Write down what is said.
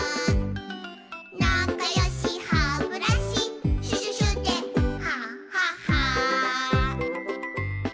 「なかよしハブラシシュシュシュでハハハ」